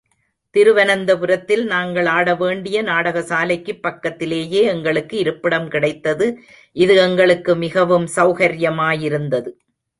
திருவனந்தபுரத்தில் நாங்கள் ஆட வேண்டிய நாடக சாலைக்குப் பக்கத்திலேயே எங்களுக்கு இருப்பிடம் கிடைத்தது இது எங்களுக்கு மிகவும் சௌகர்யமாயிருந்தது.